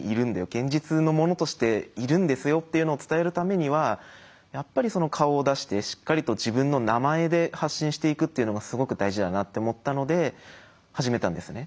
現実のものとしているんですよっていうのを伝えるためにはやっぱり顔を出してしっかりと自分の名前で発信していくっていうのがすごく大事だなって思ったので始めたんですね。